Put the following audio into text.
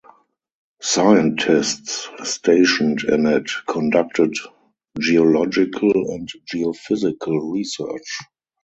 Scientists stationed in it conducted geological and geophysical research.